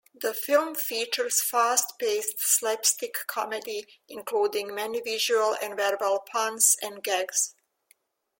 The film features fast-paced slapstick comedy, including many visual and verbal puns and gags.